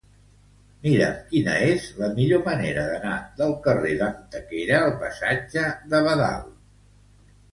Mira'm quina és la millor manera d'anar del carrer d'Antequera al passatge de Badal.